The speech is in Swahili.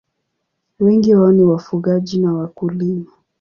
Wengi wao ni wafugaji na wakulima.